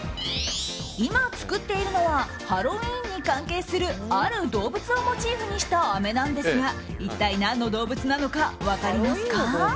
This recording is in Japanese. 今、作っているのはハロウィーンに関係するある動物をモチーフにしたあめなんですが一体何の動物なのか分かりますか？